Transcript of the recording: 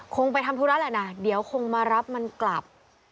คงไปทำธุระแหละนะเดี๋ยวคงมารับมันกลับ